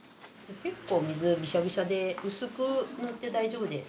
結構水びしゃびしゃで薄く塗って大丈夫です。